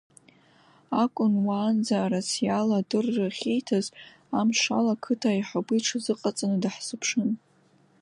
Акәын уаанӡа арациала адырра ахьииҭаз амшала ақыҭа аиҳабы иҽазыҟаҵаны даҳзыԥшын.